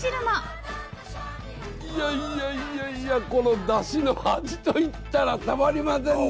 いやいやいやいやこのだしの味といったらたまりませんね！